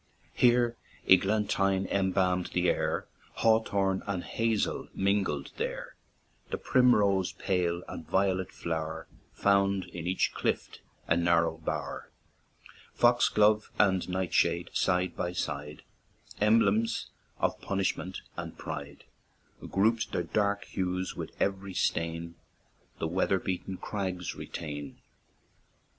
Here eglantine embalm'd the air, Hawthorn and hazel mingled there; The primrose pale and violet flower, Found in each clift a narrow bower; Foxglove and nightshade, side by side, Emblems of punishment and pride, Group'd their dark hues with every stain The weather beaten crags retain.